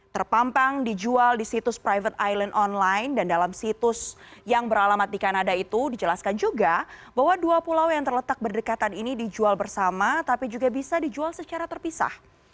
terpampang dijual di situs private island online dan dalam situs yang beralamat di kanada itu dijelaskan juga bahwa dua pulau yang terletak berdekatan ini dijual bersama tapi juga bisa dijual secara terpisah